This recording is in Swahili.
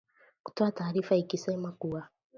kutoa taarifa ikisema kuwa